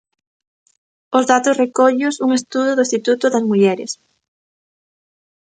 Os datos recólleos un estudo do Instituto das Mulleres.